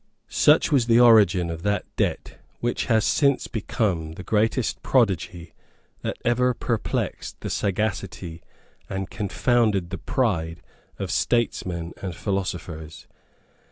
Such was the origin of that debt which has since become the greatest prodigy that ever perplexed the sagacity and confounded the pride of statesmen and philosophers.